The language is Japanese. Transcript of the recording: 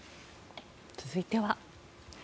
続いては。